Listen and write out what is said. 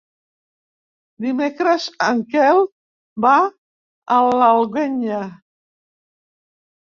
Dimecres en Quel va a l'Alguenya.